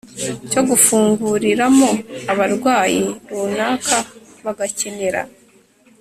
cyo gufunguriramo abarwayi runaka bagakenera